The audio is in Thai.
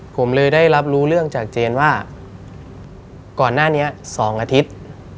ผมเลยได้รับรู้เรื่องจากเจนว่าก่อนหน้านี้๒อาทิตย์